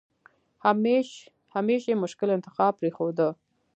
همېش یې مشکل انتخاب پرېښوده.